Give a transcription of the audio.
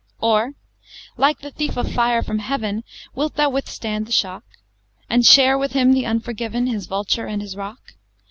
XVI Or, like the thief of fire from heaven, Wilt thou withstand the shock? And share with him, the unforgiven, His vulture and his rock!